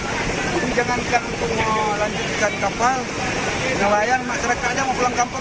tapi jangankan untuk melanjutkan kapal nelayan masyarakat saja mau pulang kampung